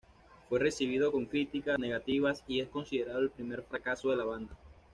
Fue recibido con críticas negativas y es considerado el primer fracaso de la banda.